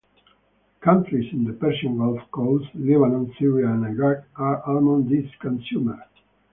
Countries in the Persian Gulf coast, Lebanon, Syria and Iraq are among these consumers.